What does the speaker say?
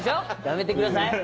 やめてください。